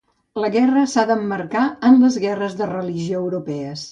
La guerra s'ha d'emmarcar en les guerres de religió europees.